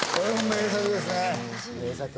名作ですよね。